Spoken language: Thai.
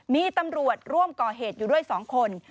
มีตำรวจร่วมก่อเหตุอยู่ด้วย๒คน